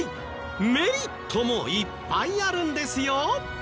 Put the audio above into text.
メリットもいっぱいあるんですよ。